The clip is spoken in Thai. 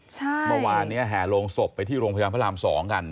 เมื่อวานนี้แห่โรงศพไปที่โรงพยาบาลพระราม๒กัน